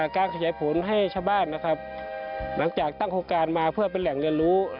การขยายผลให้ชาวบ้านนะครับหลังจากตั้งโครงการมาเพื่อเป็นแหล่งเรียนรู้